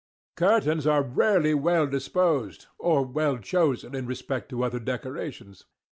Curtains are rarely well disposed, or well chosen in respect to other decorations.